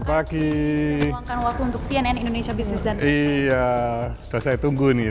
di instagram ini